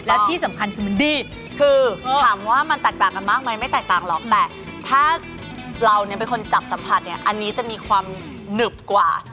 และที่สำคัญคือมันดีคือถามว่ามันแตกต่างกันมากไหมไม่แตกต่างหรอกแต่ถ้าเราเนี่ยเป็นคนจับสัมผัสเนี่ยอันนี้จะมีความหนึบกว่า